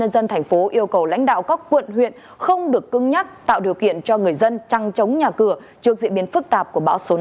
chủ tịch ubnd thành phố yêu cầu lãnh đạo các quận huyện không được cưng nhắc tạo điều kiện cho người dân trăng trống nhà cửa trước diễn biến phức tạp của bão số năm